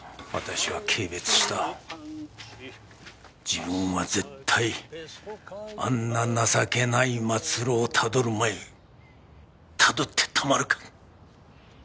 自分は絶対あんな情けない末路をたどるまいたどってたまるか。